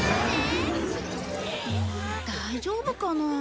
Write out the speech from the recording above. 大丈夫かな。